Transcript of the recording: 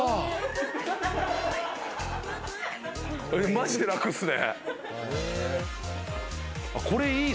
マジで楽ですね。